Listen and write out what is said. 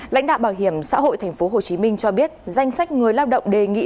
lãnh đạo bảo hiểm xã hội tp hcm cho biết danh sách người lao động đề nghị